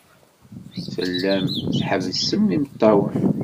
Tellam tḥebbsem imeṭṭawen.